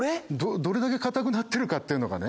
どれだけ硬くなってるかっていうのがね。